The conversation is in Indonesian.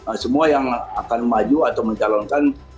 yang jelas semua yang akan maju atau mencalonkan